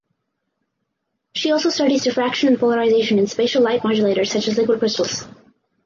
She also studies diffraction and polarization in spatial light modulators such as liquid crystals.